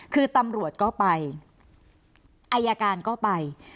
คือตำรวจก็ไปอายการก็ไป